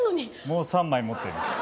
もう３枚持っております。